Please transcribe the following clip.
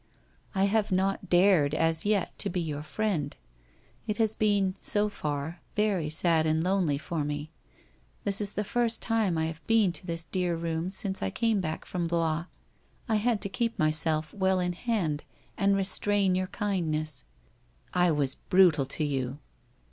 I have not dared, as yet, to be your friend. It has been, so far, very sad and lonely for me. This is the first time I have been in this dear room since I came back from Blois. I had to keep myself well in hand and restrain your kindness '' I was brutal to you